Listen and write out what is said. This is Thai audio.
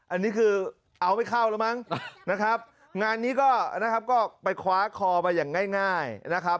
อันนี้คือเอาไม่เข้าแล้วมั้งนะครับงานนี้ก็นะครับก็ไปคว้าคอมาอย่างง่ายนะครับ